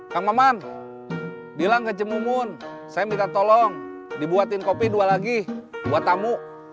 kang maman bilang ke jemun saya minta tolong dibuatin kopi dua lagi buat tamu